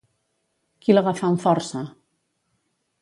Qui l'agafà amb força?